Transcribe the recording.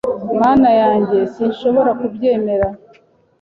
Mana yanjye, sinshobora kubyemera.